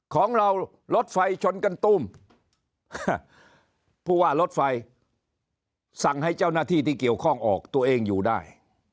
ของเรารถไฟชนกันตุ้มผู้ว่ารถไฟสั่งให้เจ้าหน้าที่ที่เกี่ยวข้องออกตัวเองอยู่ได้